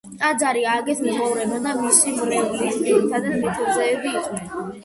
ტაძარი ააგეს მეზღვაურებმა და მისი მრევლიც ძირითადად მეთევზეები იყვნენ.